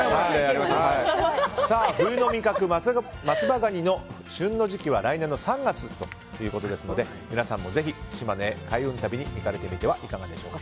冬の味覚・松葉ガニの旬の時期は来年の３月ということですので皆さんもぜひ島根へ開運旅に行かれてみてはいかがでしょうか。